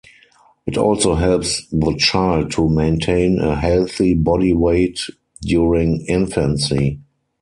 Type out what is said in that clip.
It also helps the child to maintain a healthy body weight during infancy.